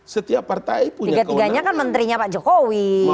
setiap partai punya kewenangan